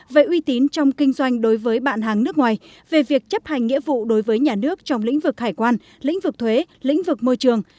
về uy tín trong kinh doanh đối với bạn hàng nước ngoài về việc chấp hành nghĩa vụ đối với nhà nước trong lĩnh vực hải quan lĩnh vực thuế lĩnh vực môi trường